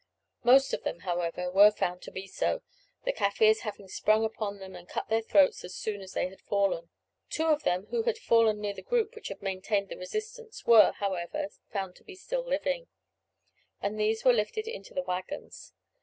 Most of them, however, were found to be so, the Kaffirs having sprung upon them and cut their throats as soon as they had fallen. Two of them who had fallen near the group which had maintained the resistance were, however, found to be still living, and these were lifted into the waggons.